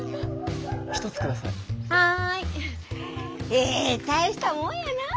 へえ大したもんやなあ。